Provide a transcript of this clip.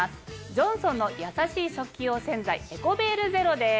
ジョンソンのやさしい食器用洗剤「エコベールゼロ」です。